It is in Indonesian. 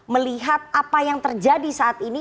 melihat apa yang terjadi saat ini